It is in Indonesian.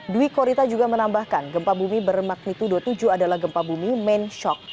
dwi korita juga menambahkan gempa bumi bermagnitudo tujuh adalah gempa bumi main shock